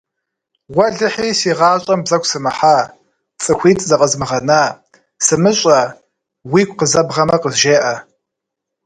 Уэлэхьи, си гъащӏэм бзэгу сымыхьа, цӏыхуитӏ зэфӏэзмыгъэна, сымыщӏэ, уигу къызэбгъэмэ, къызжеӏэ.